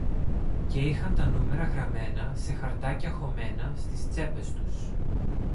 και είχαν τα νούμερα γραμμένα σε χαρτάκια χωμένα στις τσέπες τους